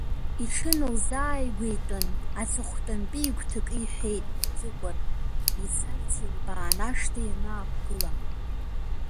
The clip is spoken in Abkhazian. Иҽынылзааигәеитәын, аҵыхәтәантәи игәҭакы иҳәеит Ӡыкәыр, ицарц илбааны ашҭа ианаақәгыла.